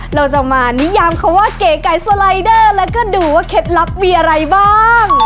เราจะมานิยามเขาว่าเก๋ไก่สไลเดอร์แล้วก็ดูว่าเคล็ดลับมีอะไรบ้าง